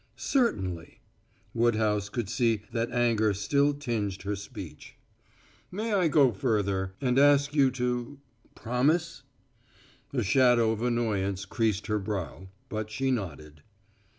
"Certainly." Woodhouse could see that anger still tinged her speech. "May I go further and ask you to promise?" A shadow of annoyance creased her brow, but she nodded.